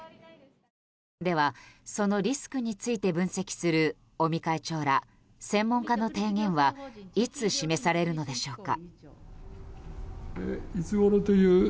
ではそのリスクについて分析する尾身会長ら専門家の提言はいつ示されるのでしょうか。